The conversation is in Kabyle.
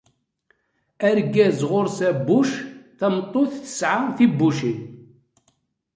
Argaz ɣur-s abbuc, tameṭṭut tesɛa tibbucin